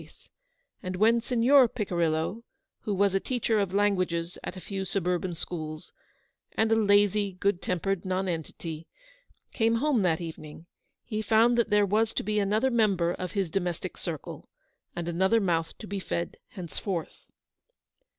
face, and when Signor Picirillo — who was a teacher of 194 languages at a few suburban schools, and a lazy, good tempered nonentity — came home that even ing, he found that there was to be another member of his domestic circle, and another mouth to be fed henceforth.